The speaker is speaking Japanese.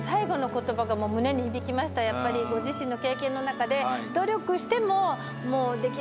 ご自身の経験の中で。